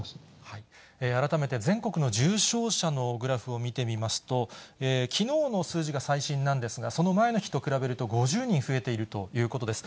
改めて、全国の重症者のグラフを見てみますと、きのうの数字が最新なんですが、その前の日と比べると５０人増えているということです。